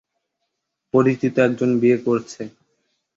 পরিচিত একজন বিয়ে করছে।